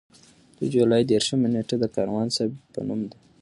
د جولای دېرشمه نېټه د کاروان صیب په نوم ده.